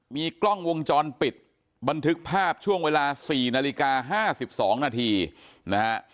มีกล้องวงจรปิดบันทึกภาพช่วงเวลา๔นาฬิกา๕๒นาทีนะฮะ